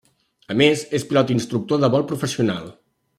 A més, és pilot i instructor de vol professional.